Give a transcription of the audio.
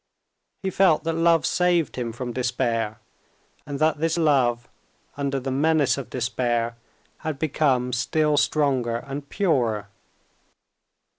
He felt that love saved him from despair, and that this love, under the menace of despair, had become still stronger and purer.